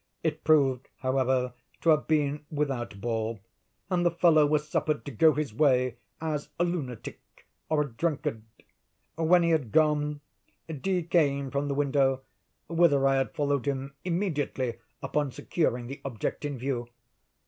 It proved, however, to have been without ball, and the fellow was suffered to go his way as a lunatic or a drunkard. When he had gone, D—— came from the window, whither I had followed him immediately upon securing the object in view.